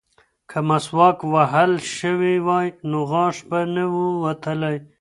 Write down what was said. که مسواک وهل شوی وای نو غاښ به نه ووتلی.